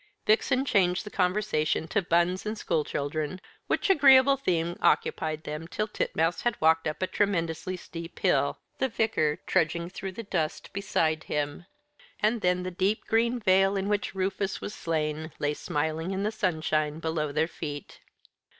Vixen changed the conversation to buns and school children, which agreeable theme occupied them till Titmouse had walked up a tremendously steep hill, the Vicar trudging through the dust beside him; and then the deep green vale in which Rufus was slain lay smiling in the sunshine below their feet.